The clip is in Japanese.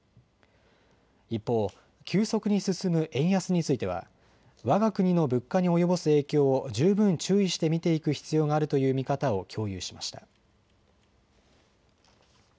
一方、急速に進む円安についてはわが国の物価に及ぼす影響を十分注意して見ていく必要があるという見方を共有しました。